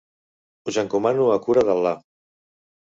Us encomano a cura d'Al·là.